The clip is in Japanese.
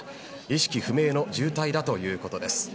意識不明の重体だということです。